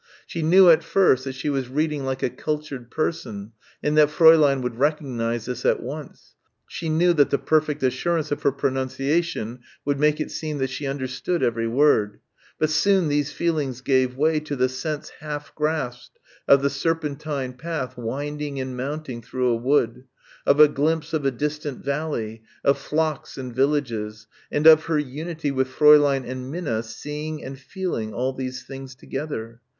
She knew at first that she was reading like a cultured person and that Fräulein would recognise this at once, she knew that the perfect assurance of her pronunciation would make it seem that she understood every word, but soon these feelings gave way to the sense half grasped of the serpentine path winding and mounting through a wood, of a glimpse of a distant valley, of flocks and villages, and of her unity with Fräulein and Minna seeing and feeling all these things together.